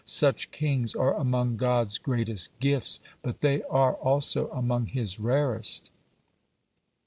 Such kings are among God's greatest gifts, but they are also among His rarest.